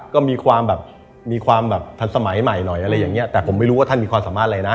ก็มีความแบบมีความแบบทันสมัยใหม่หน่อยอะไรอย่างเงี้ยแต่ผมไม่รู้ว่าท่านมีความสามารถอะไรนะ